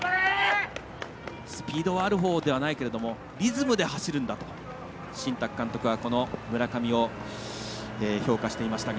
スピードはあるほうではないけどリズムで走るんだと新宅監督は村上を評価していましたが。